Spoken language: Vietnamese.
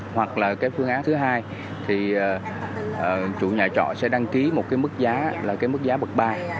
hoặc là cái phương án thứ hai thì chủ nhà trọ sẽ đăng ký một cái mức giá là cái mức giá bậc ba